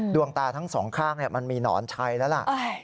ดวงตาทั้งสองข้างมันมีหนอนชัยแล้วล่ะ